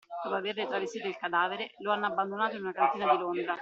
Dopo averne travestito il cadavere, lo hanno abbandonato in una cantina di Londra